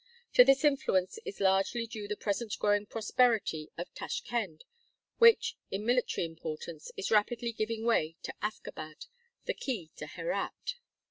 To this influence is largely due the present growing prosperity of Tashkend, which, in military importance, is rapidly giving way to Askabad, "the key to Herat."